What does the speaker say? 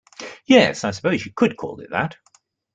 Yes, I suppose you could call it that.